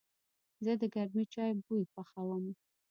زه د گرمې چای بوی خوښوم.